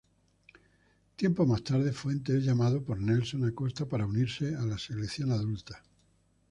Tiempo más tarde, Fuentes es llamado por Nelson Acosta para unirse la selección adulta.